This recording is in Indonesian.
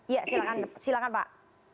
ya silahkan pak